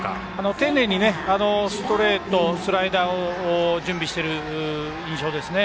丁寧にストレート、スライダーを準備している印象ですね。